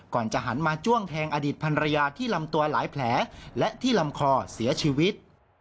ก่อนจะหันมาจ้วงแทงอดีตพันรยาที่ลำตัวหลายแผลและที่ลำคอเสียชีวิต